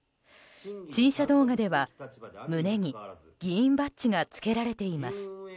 陳謝動画では胸に議員バッジがつけられています。